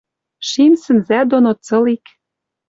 Шим сӹнзӓ доно цылик